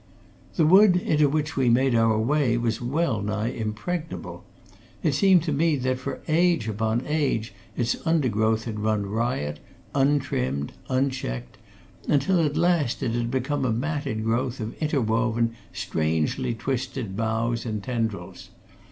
The wood into which we made our way was well nigh impregnable; it seemed to me that for age upon age its undergrowth had run riot, untrimmed, unchecked, until at last it had become a matted growth of interwoven, strangely twisted boughs and tendrils.